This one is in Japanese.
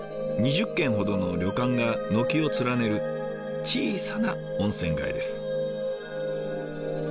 ２０軒ほどの旅館が軒を連ねる小さな温泉街です。